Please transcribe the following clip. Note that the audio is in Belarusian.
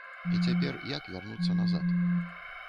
І цяпер як вярнуцца назад?